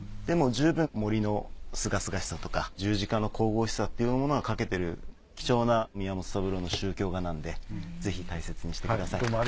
でも十分森のすがすがしさとか十字架の神々しさっていうものが描けてる貴重な宮本三郎の宗教画なのでぜひ大切にしてください。